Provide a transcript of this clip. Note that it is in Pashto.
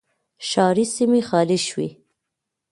ښاري سیمې خالي شوې